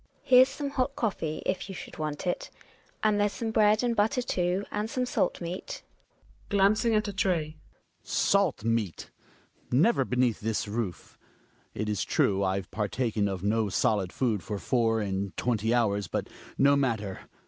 Here's some hot coffee, if you should want it. And there's some bread and butter too, and some salt meat. Hjalmar {glancing at the tray). Salt meat ! Never beneath this roof ! It is true I've partaken of no solid food for four and twenty hours, but no matter.